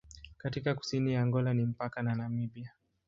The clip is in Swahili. Katika kusini ya Angola ni mpaka na Namibia.